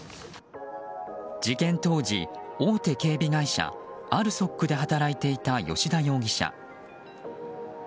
事件当時、大手警備会社ＡＬＳＯＫで働いていた吉田容疑者。